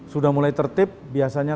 sudah mulai tertip biasanya